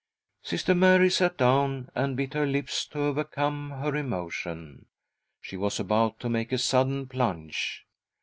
Sister Mary sat down and bit her lips to overcome her emotion, y She was about to make a sudden plunge.